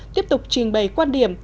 tiếp tục trình bày quan điểm